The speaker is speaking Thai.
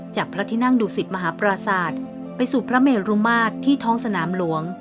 พระที่นั่งดุสิตมหาปราศาสตร์ไปสู่พระเมรุมาตรที่ท้องสนามหลวง